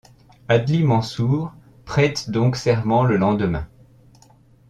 Adli Mansour prête donc serment le lendemain.